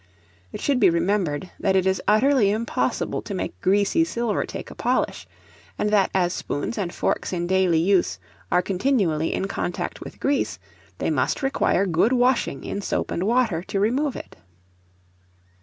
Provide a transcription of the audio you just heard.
It should be remembered, that it is utterly impossible to make greasy silver take a polish; and that as spoons and forks in daily use are continually in contact with grease, they must require good washing in soap and water to remove it.